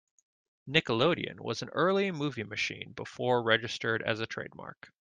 "Nickelodeon" was an early movie machine before registered as a trademark.